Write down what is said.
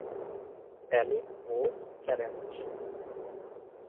Elite ও challenge.